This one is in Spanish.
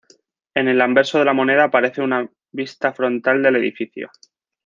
En el anverso de la moneda aparece una vista frontal del edificio.